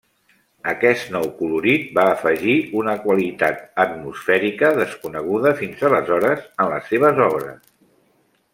Aquest nou colorit va afegir una qualitat atmosfèrica desconeguda fins aleshores en les seves obres.